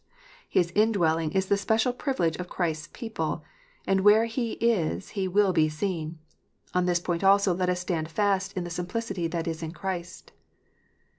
His indwelling is the special privilege of Christ s people, and where He is He will be seen. On this point also let us stand fast in the " simplicity that is in Christ."